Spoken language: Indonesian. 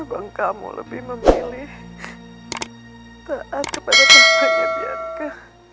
taat kepada bapaknya bianka